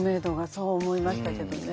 そう思いましたけどね。